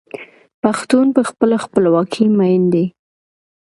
پښتون په خپله خپلواکۍ مین دی.